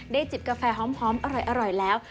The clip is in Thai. จิบกาแฟหอมอร่อยแล้ว